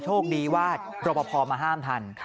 โชคดีว่ารบพอมาห้ามทัน